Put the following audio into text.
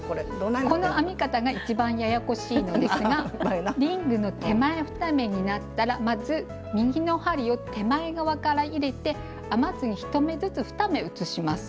この編み方が一番ややこしいのですがリングの手前２目になったらまず右の針を手前側から入れて編まずに１目ずつ２目移します。